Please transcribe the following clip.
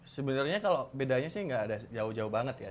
sebenarnya kalau bedanya sih nggak ada jauh jauh banget ya